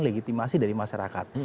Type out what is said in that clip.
legitimasi dari masyarakat